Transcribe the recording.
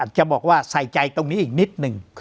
จะบอกว่าใส่ใจตรงนี้อีกนิดนึง